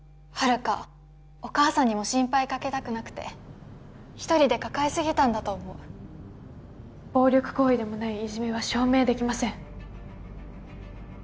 遙お母さんにも心配かけたくなくて一人で抱えすぎたんだと思う暴力行為でもないいじめは証明できません